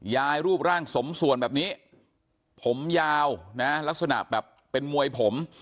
รูปร่างสมส่วนแบบนี้ผมยาวนะลักษณะแบบเป็นมวยผม